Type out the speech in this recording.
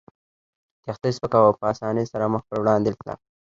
کښتۍ سپکه وه او په اسانۍ سره مخ پر وړاندې تله.